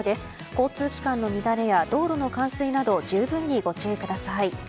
交通機関の乱れや道路の冠水など十分にご注意ください。